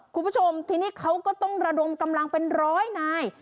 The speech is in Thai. คุณผู้ชมทีนี้เขาก็ต้องระดมกำลังเป็นร้อยนาย